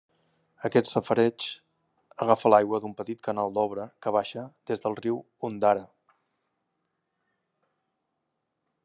Aquest safareig agafa l’aigua d’un petit canal d’obra que baixa des del riu Ondara.